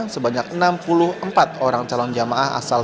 sebanyak enam puluh empat orang calon jamaah asal